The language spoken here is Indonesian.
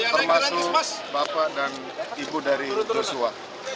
termasuk bapak dan ibu dari joshua